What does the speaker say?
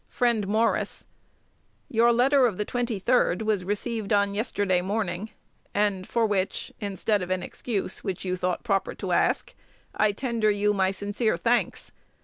Friend Morris, Your letter of the 23d was received on yesterday morning, and for which (instead of an excuse, which you thought proper to ask) I tender you my sincere thanks.